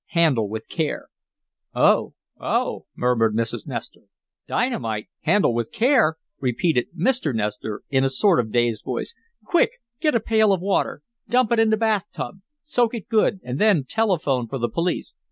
HANDLE WITH CARE! "Oh! Oh!" murmured Mrs. Nestor. "Dynamite! Handle with care!" repeated Mr. Nestor, in a sort of dazed voice. "Quick! Get a pail of water! Dump it in the bathtub! Soak it good, and then telephone for the police.